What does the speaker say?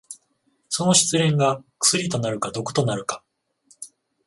その失恋が薬となるか毒となるか。